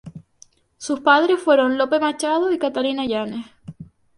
Sus padres fueron Lope Machado y Catalina Yánez.